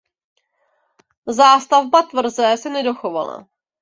Zástavba tvrze se nedochovala.